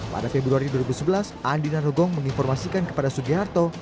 pada februari dua ribu sebelas andi narogong menginformasikan kepada sugiharto